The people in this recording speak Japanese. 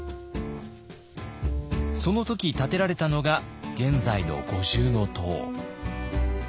その時建てられたのが現在の五重塔。